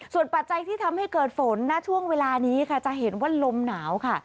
ส่วนปัจจัยที่ทำให้เกิดฝนณช่วงเวลานี้ค่ะจะเห็นว่าลมหนาวค่ะ